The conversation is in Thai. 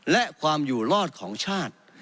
และความอยู่รอดของชาติ